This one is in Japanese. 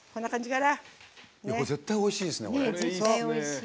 絶対おいしいですね、これ。